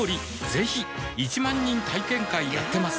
ぜひ１万人体験会やってますはぁ。